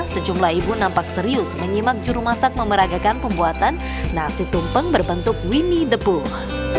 sejumlah ibu nampak serius menyimak juru masak memeragakan pembuatan nasi tumpeng berbentuk winnie the book